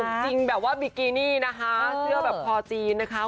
จริงแบบว่าบิกินี่นะคะเสื้อแบบคอจีนนะคะ